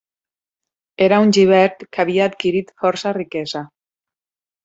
Era un llibert que havia adquirit força riquesa.